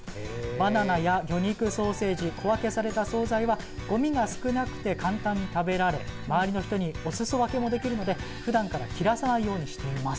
バナナや魚肉ソーセージ小分けされた総菜はごみが少なくて簡単に食べられ周りの人にお裾分けもできるのでふだんから切らさないようにしています。